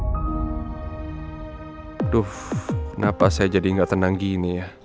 aduh kenapa saya jadi nggak tenang gini ya